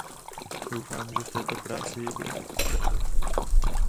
Doufám, že v této práci bude pokračovat.